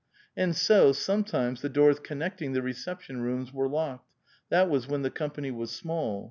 And so, some times the doors connecting the reception rooms were locked ; that was when the company was small.